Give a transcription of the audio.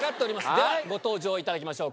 ではご登場いただきましょう